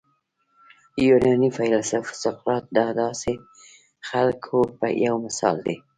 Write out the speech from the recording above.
یوناني فیلسوف سقراط د داسې خلکو یو مثال دی.